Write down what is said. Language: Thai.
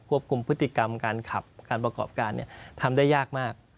คุมพฤติกรรมการขับการประกอบการทำได้ยากมาก